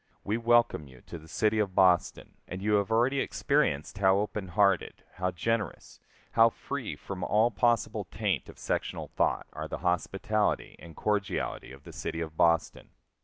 We welcome you to the city of Boston, and you have already experienced how open hearted, how generous, how free from all possible taint of sectional thought are the hospitality and cordiality of the city of Boston.